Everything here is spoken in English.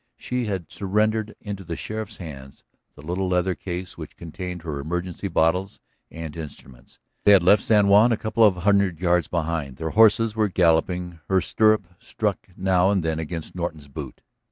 She had surrendered into the sheriff's hands the little leather case which contained her emergency bottles and instruments; they had left San Juan a couple of hundred yards behind, their horses were galloping; her stirrup struck now and then against Norton's boot.